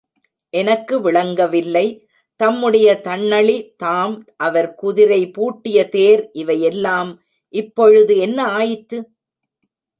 எனக்கு விளங்கவில்லை தம்முடைய தண்ணளி தாம் அவர் குதிரை பூட்டிய தேர் இவை எல்லாம் இப்பொழுது என்ன ஆயிற்று?